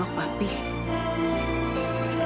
kamu tak bisa meriasi sistemnya